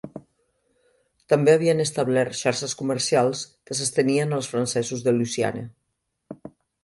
També havien establert xarxes comercials que s'estenien als francesos de Louisiana.